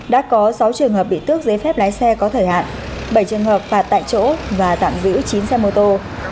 đã có sáu trường hợp bị tước giấy phép lái xe có thời hạn bảy trường hợp phạt tại chỗ và tạm giữ chín xe mô tô